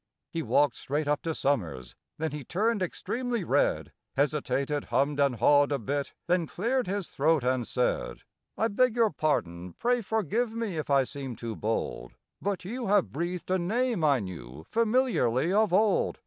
He walked straight up to SOMERS, then he turned extremely red, Hesitated, hummed and hawed a bit, then cleared his throat, and said: "I beg your pardon—pray forgive me if I seem too bold, But you have breathed a name I knew familiarly of old.